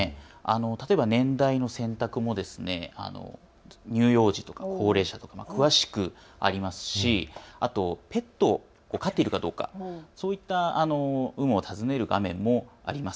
例えば年代の選択も乳幼児とか高齢者とか詳しくありますしあとペットを飼っているかどうかそういった有無を尋ねる画面もあります。